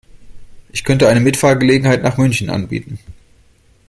Ich könnte eine Mitfahrgelegenheit nach München anbieten